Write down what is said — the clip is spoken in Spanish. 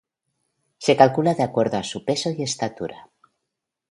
Se calcula de acuerdo a su peso y estatura